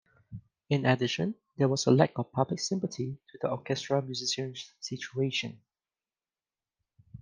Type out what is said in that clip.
In addition, there was a lack of public sympathy to the orchestra musicians' situation.